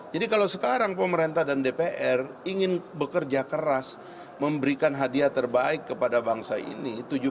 jadi kalau sekarang pemerintah dan dpr ingin bekerja keras memberikan hadiah terbaik kepada bangsa ini